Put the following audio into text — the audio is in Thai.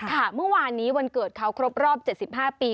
เมื่อวานนี้วันเกิดเขาครบรอบ๗๕ปี